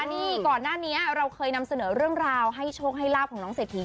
นี่ก่อนหน้านี้เราเคยนำเสนอเรื่องราวให้โชคให้ลาบของน้องเศรษฐี